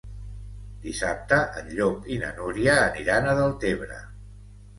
Dissabte en Llop i na Núria aniran a Deltebre.